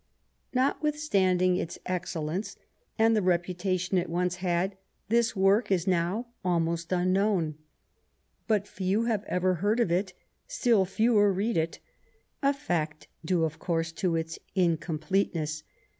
Notwithstanding its excellence and the reputation it once had, this work is now almost unknown. But few have ever heard of it, still fewer read it ; a fact due, of course, to its incompleteness.